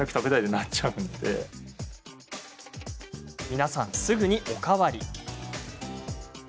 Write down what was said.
皆さん、すぐにお代わり。